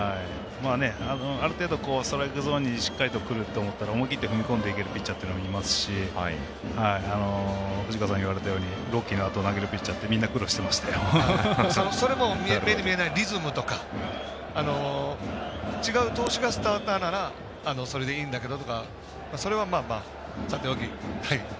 ある程度、ストライクゾーンにしっかりくると思ったら思い切り踏み込んでいけるピッチャーっていますし、藤川さん言われたように朗希のあと投げるピッチャーというのはそれも目に見えない流れとか違う投手がスターターならそれでいいんだけどとかそれはさておき。